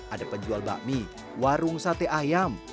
ada penjual bakmi warung sate ayam